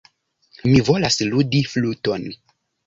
Mi volas ludi fluton.